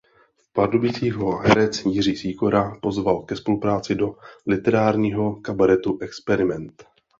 V Pardubicích ho herec Jiří Sýkora pozval ke spolupráci do literárního kabaretu Experiment.